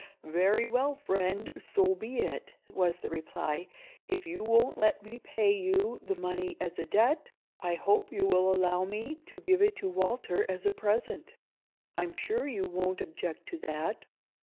"Very well, friend, so be it," was the reply. "If you won't let me pay you the money as a debt, I hope you will allow me to give it to Walter as a present. I'm sure you won't object to that.